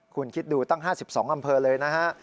คุณคิดดูตั้ง๕๒อำเภอเลยนะฮะ